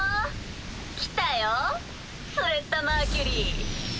来たよスレッタ・マーキュリー。